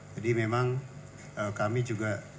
jadi memang kami juga